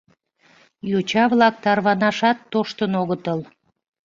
Йоча-влак тарванашат тоштын огытыл.